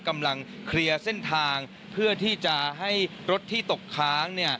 กำลังเคลียร์เส้นทางเพื่อที่จะให้รถที่ตกค้าง